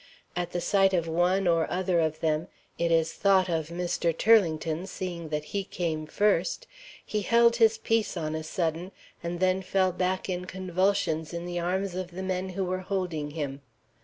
At sight of one or other of them it is thought of Mr. Turlington, seeing that he came first he held his peace on a sudden, and then fell back in convulsions in the arms of the men who were holding him.